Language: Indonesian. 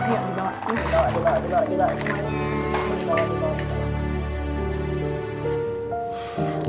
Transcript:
dibawa dibawa semuanya